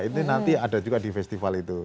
ini nanti ada juga di festival itu